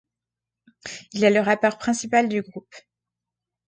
Il est le rappeur principal du groupe.